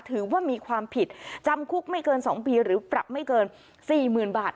ถือว่ามีความผิดจำคุกไม่เกิน๒ปีหรือปรับไม่เกิน๔๐๐๐บาท